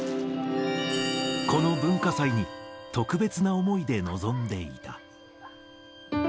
この文化祭に、特別な思いで臨んでいた。